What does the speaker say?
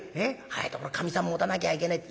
早いところかみさん持たなきゃいけねえ』。